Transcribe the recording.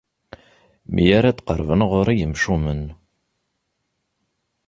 Mi ara d-qerrben ɣur-i yimcumen.